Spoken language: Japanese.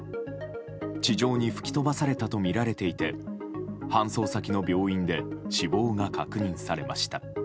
地上に吹き飛ばされたとみられていて搬送先の病院で死亡が確認されました。